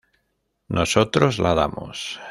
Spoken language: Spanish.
Nosotros la damos".